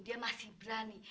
dia masih berani